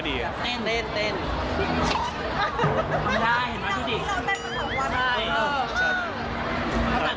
ใช่มีประชุดรีบ